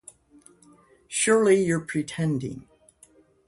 Surely you’re pretending.